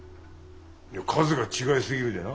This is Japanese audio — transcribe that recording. いや数が違いすぎるでな。